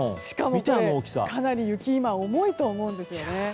しかもかなり今雪が重いと思うんですよね。